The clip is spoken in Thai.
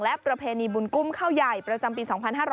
และประเพณีบุญกุ้มข้าวใหญ่ประจำปี๒๕๕๙